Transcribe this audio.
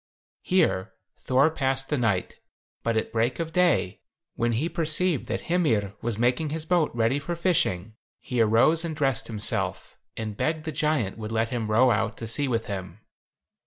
Here Thor passed the night, but at break of day, when he perceived that Hymir was making his boat ready for fishing, he arose and dressed himself, and begged the giant would let him row out to sea with him.